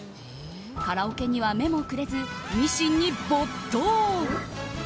カラオケには目もくれずミシンに没頭。